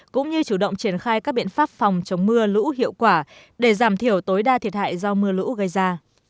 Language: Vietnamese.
cũng như chủ động triển khai các biện pháp phòng chống mưa lũ hiệu quả để giảm thiểu tối đa thiệt hại do mưa lũ gây ra